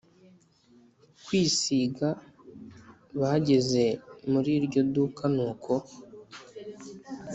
kwisiga bageze muriryo duka nuko